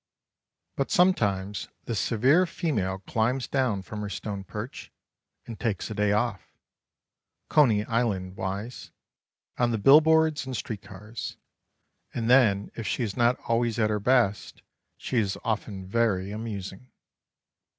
But sometimes this severe female climbs down from her stone perch and takes a day off, Coney Island wise, on the billboards and street cars, and then if she is not always at her best, she is often very amusing.